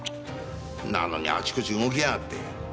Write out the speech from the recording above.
なのにあちこち動きやがって。